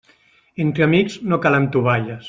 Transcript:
Entre amics, no calen tovalles.